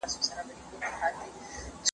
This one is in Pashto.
ډاکټر کارو لین ګو د کلیفورنیا پوهنتون استاد دی.